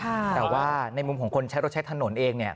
แต่ว่าในมุมของคนใช้รถใช้ถนนเองเนี่ย